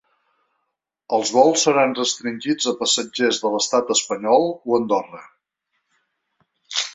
Els vols seran restringits a passatgers de l’estat espanyol o Andorra.